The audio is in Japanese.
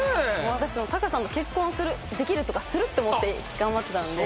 私タカさんと結婚するできるとかするって思って頑張ってたので。